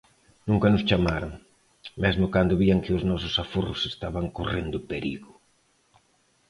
Nunca nos chamaron, mesmo cando vían que os nosos aforros estaban correndo perigo.